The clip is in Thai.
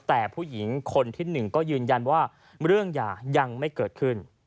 แต่ผู้หญิงคนที่๑ก็ยืนยันว่าเรื่องหย่ายังไม่เกิดขึ้น